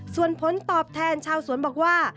ส่วนผลตอบแทนชาวสวนบอกว่า